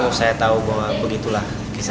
oh saya tahu bahwa begitulah